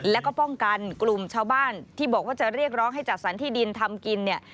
แล้วก็ป้องกันกลุ่มชาวบ้านที่บอกว่าจะเรียกร้องให้จัดสรรที่ดินทำกินเนี่ย